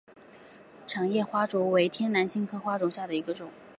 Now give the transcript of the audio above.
掌叶花烛为天南星科花烛属下的一个种。